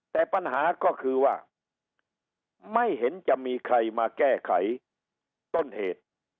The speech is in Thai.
แต่ปัญหาก็คือว่าไม่เห็นจะมีใครมาแก้ไขต้นเหตุ